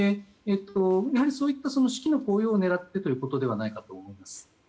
やはりそういった士気の高揚を狙ってのことではないかと思います。